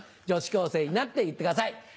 女子高生になって言ってください！